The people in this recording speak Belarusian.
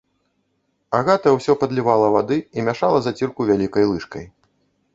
Агата ўсё падлівала вады і мяшала зацірку вялікай лыжкай.